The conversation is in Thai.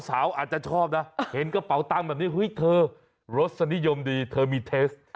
อาจจะชอบนะเห็นกระเป๋าตังค์แบบนี้เฮ้ยเธอรสนิยมดีเธอมีเทส